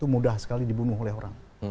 mudah sekali dibunuh oleh orang